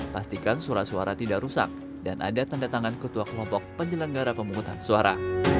pastikan surat suara tidak rusak dan ada tanda tangan ketua kelompok penyelenggara pemungutan suara